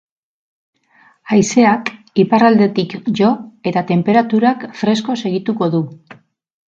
Haizeak iparraldetik jo eta tenperaturak fresko segituko du.